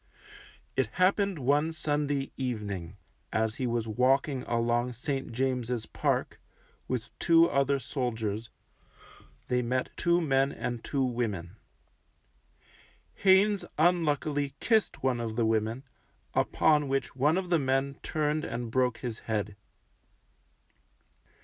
It happened one Sunday evening, as he was walking along St. James's Park, with two other soldiers, they met two men and two women. Haynes unluckily kissed one of the women, upon which one of the men turned and broke his head.